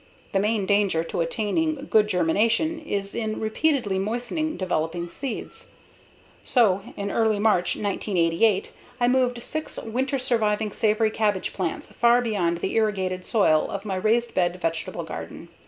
The main danger to attaining good germination is in repeatedly moistening developing seed. So, in early March 1988, I moved six winter surviving savoy cabbage plants far beyond the irrigated soil of my raised bed vegetable garden.